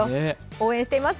応援しています。